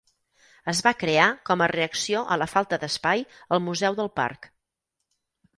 Es va crear com a reacció a la falta d'espai al Museu del Parc.